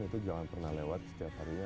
itu jangan pernah lewat setiap harinya